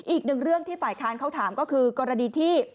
อีกหนึ่งเรื่องที่ฝ่ายค้านเขาถามก็คือกรณีที่